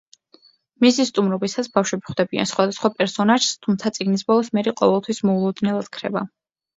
მისი სტუმრობისას ბავშვები ხვდებიან სხვადასხვა პერსონაჟს, თუმცა წიგნის ბოლოს მერი ყოველთვის მოულოდნელად ქრება.